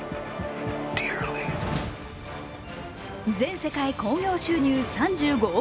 全世界興行収入３５億